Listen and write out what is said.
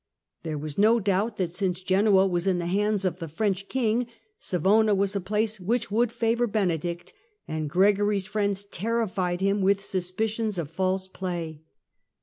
There was no doubt that since Genoa was in the hands of the French King, Savona was a place which would favour Benedict, and Gregory's friends terrified him with suspicions of false play.